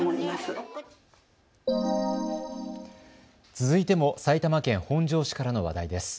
続いても埼玉県本庄市からの話題です。